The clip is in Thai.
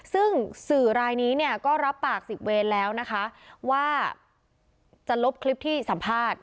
ซึ่งสื่อรายนี้เนี่ยก็รับปากสิบเวรแล้วนะคะว่าจะลบคลิปที่สัมภาษณ์